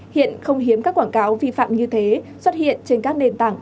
hiện không hiếm các quảng cáo vi phạm như thế xuất hiện trên các nền tảng